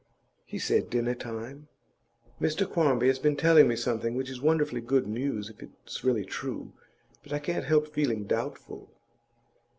'He said dinner time.' 'Mr Quarmby has been telling me something which is wonderfully good news if it's really true; but I can't help feeling doubtful.